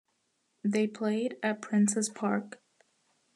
They played at Princes Park.